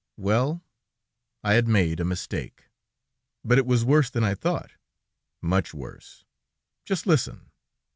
Well, I had made a mistake, but it was worse than I thought, much worse. Just listen.